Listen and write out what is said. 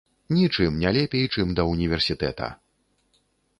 Нічым не лепей, чым да ўніверсітэта!